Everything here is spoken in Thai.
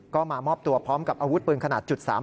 ก็มามอบตัวพร้อมกับอาวุธปืนขนาด๓๘